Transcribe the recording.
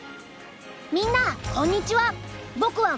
みんなこんにちは！